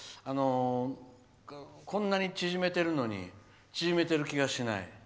こんなに縮めてるのに縮めてる気がしない。